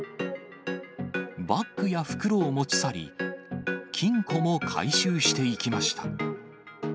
バッグや袋を持ち去り、金庫も回収していきました。